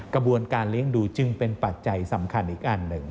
กระบวนการเลี้ยงดูจึงเป็นปัจจัยสำคัญอีกอันหนึ่ง